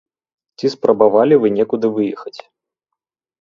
Ці спрабавалі вы некуды выехаць?